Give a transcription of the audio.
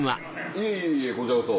いえいえいえこちらこそ。